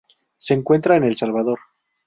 Se encuentra en El Salvador.